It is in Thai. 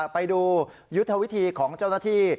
ไปดูยุทธวิธีของเจ้าหน้าที่